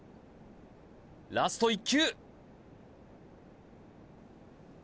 ラスト１球！